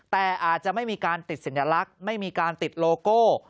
แต่อาจจะไม่มีการติดสัญลักษณ์ไม่มีการติดโลโก้